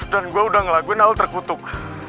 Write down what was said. dan gue udah ngelakuin hal terkutuk